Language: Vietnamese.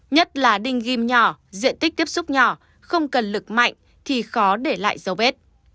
nhất là đinh kim nhỏ diện tích tiếp xúc nhỏ không cần lực mạnh thì khó để lại dấu vết